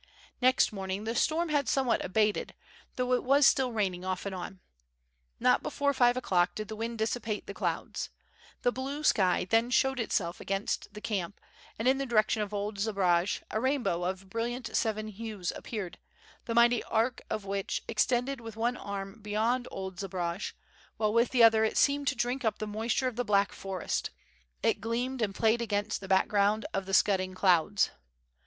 Next morning the storm had somewhat abated, though it was still raining off and on. Not before five o'clock did the wind dissipate the clouds. The blue sky then showed itself against the camp, and in the direction of old Zbaraj a rainbow of brilliant seven hues appeared, the mighty arch of which extended with one arm beyond old Zbaraj, while with the other it seemed to drink up the moisture of the Black Forest; it gleamed and played against the background of the scud ding clouds.